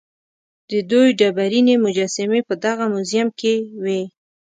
د دوی ډبرینې مجسمې په دغه موزیم کې وې.